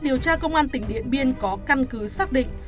điều tra công an tỉnh điện biên có căn cứ xác định